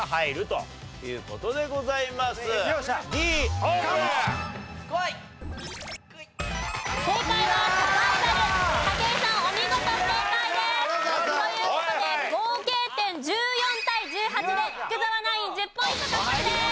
という事で合計点１４対１８で福澤ナイン１０ポイント獲得です！